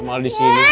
malah di sini sih